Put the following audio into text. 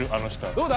どうだ？